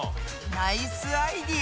ナイスアイデア！